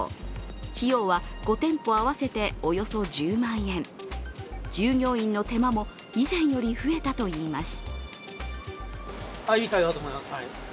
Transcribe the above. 費用は５店舗合わせておよそ１０万円従業員の手間も以前より増えたといいます。